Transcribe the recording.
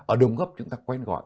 ở đồng gốc chúng ta quen gọi